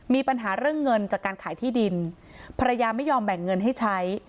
มีปัญหาเรื่องเงินจากการขายที่ดินภรรยาไม่ยอมแบ่งเงินให้ใช้